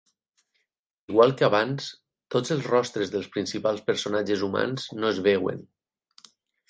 Igual que abans, tots els rostres dels principals personatges humans no es veuen.